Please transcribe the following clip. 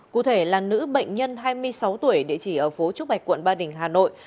cụ thể là nữ bệnh nhân hai mươi sáu tuổi địa chỉ ở phố trúc bạch quận ba đình hà nội